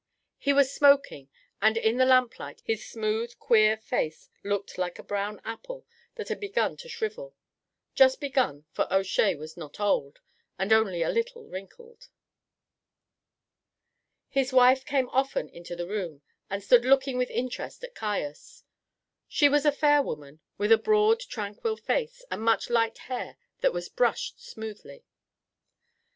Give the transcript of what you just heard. He was smoking, and in the lamplight his smooth, queer face looked like a brown apple that had begun to shrivel just begun, for O'Shea was not old, and only a little wrinkled. His wife came often into the room, and stood looking with interest at Caius. She was a fair woman, with a broad tranquil face and much light hair that was brushed smoothly.